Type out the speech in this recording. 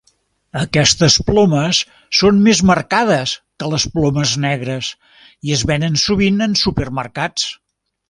Aquestes plomes són més marcades que les plomes negres i es venen sovint en supermercats.